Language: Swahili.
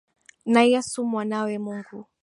Na Yesu Mwanawe Mungu.